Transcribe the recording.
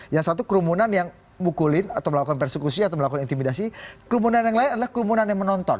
yang satu kerumunan yang mukulin atau melakukan persekusi atau melakukan intimidasi kerumunan yang lain adalah kerumunan yang menonton